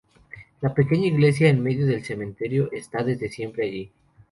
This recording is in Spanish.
La pequeña iglesia en medio del cementerio está desde siempre allí.